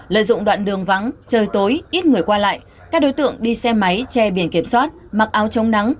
lợi dụng đoạn đường vắng trời tối ít người qua lại các đối tượng đi xe máy che biển kiểm soát mặc áo chống nắng